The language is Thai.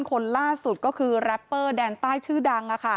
คนล่าสุดก็คือแรปเปอร์แดนใต้ชื่อดัง